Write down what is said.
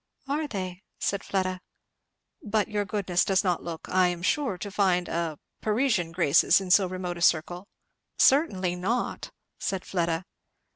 "Are they?" said Fleda. "But your goodness does not look, I am sure, to find a Parisian graces in so remote a circle?" "Certainly not!" said Fleda.